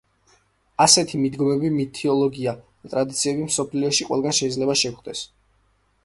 ასეთი მიდგომები, მითოლოგია და ტრადიციები მსოფლიოში ყველგან შეიძლება შეგვხვდეს.